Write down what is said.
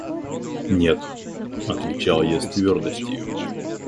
– Нет, – отвечал я с твердостию.